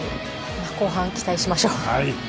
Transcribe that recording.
後半期待しましょう。